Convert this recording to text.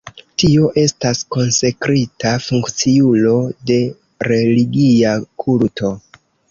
Tio estas konsekrita funkciulo de religia kulto.